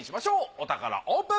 お宝オープン！